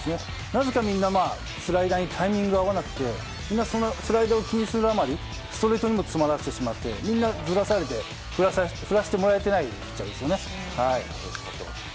なぜかみんな、スライダーにタイミングが合わなくてスライダーを気にするあまりストレートにも詰まらせてしまってみんなずらされて振らせてもらえない